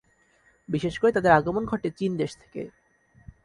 বিশেষ করে তাদের আগমন ঘটে চীন দেশ থেকে।